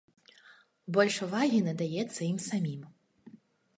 Больш увагі надаецца ім самім.